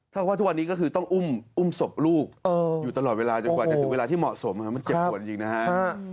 ถ้าว่าทุกวันนี้ก็คือต้องอุ้มศพลูกอยู่ตลอดเวลาจนกว่าจะถึงเวลาที่เหมาะสมมันเจ็บปวดจริงนะฮะ